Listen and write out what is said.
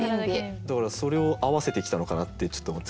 だからそれを合わせてきたのかなってちょっと思って。